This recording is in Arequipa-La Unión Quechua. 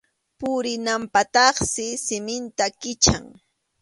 Purinanpaqtaqsi siminta kichan.